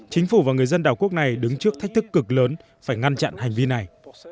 chính phủ và người dân đảo quốc này đứng trước thách thức cực lớn phải ngăn chặn hành vi này